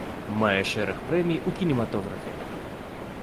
Мае шэраг прэмій у кінематографе.